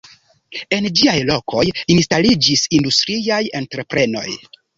En ĝiaj lokoj instaliĝis industriaj entreprenoj.